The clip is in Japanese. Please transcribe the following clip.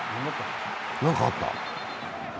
何かあった？